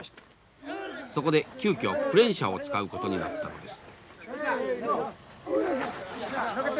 そこで急きょクレーン車を使うことになったのです。